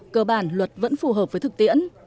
cơ bản luật vẫn phù hợp với thực tiễn